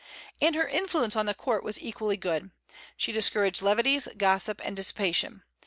And her influence on the court was equally good. She discouraged levities, gossip, and dissipation.